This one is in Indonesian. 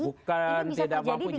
bukan tidak mampunya